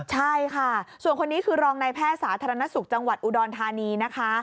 ใช่ค่ะส่วนคนนี้คือรองนายแพทย์สาธารณสุขจังหวัดอุดรธานีนะคะ